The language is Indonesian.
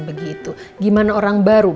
begitu gimana orang baru